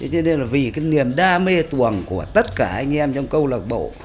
thế nên là vì cái niềm đam mê tuồng của tất cả anh em trong câu lạc bộ